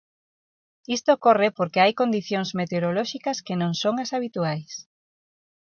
Isto ocorre porque hai condicións meterolóxicas que non son as habituais.